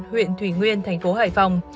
huyện thủy nguyên thành phố hải phòng